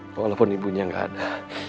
walaupun ibunya gak ada